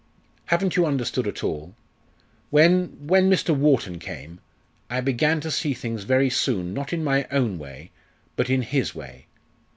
Haven't you understood at all? When when Mr. Wharton came, I began to see things very soon, not in my own way, but in his way.